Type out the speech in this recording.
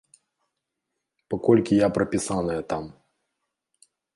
Паколькі я прапісаная там.